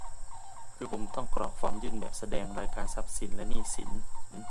คือผมต้องกรอกฟอร์มยื่นแบบแสดงรายการทรัพย์สินและหนี้สิน